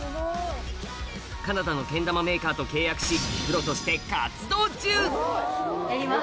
カナダのけん玉メーカーと契約しプロとして活動中やります。